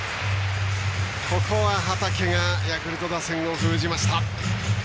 ここは畠がヤクルト打線を封じました。